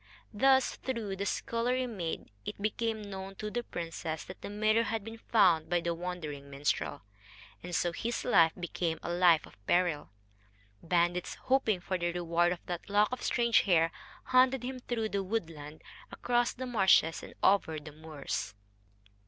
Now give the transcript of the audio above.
Thus, through the little scullery maid, it became known to the princess that the mirror had been found by the wandering minstrel, and so his life became a life of peril. Bandits, hoping for the reward of that lock of strange hair, hunted him through the woodland, across the marshes, and over the moors.